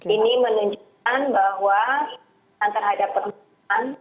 ini menunjukkan bahwa kekerasan terhadap perempuan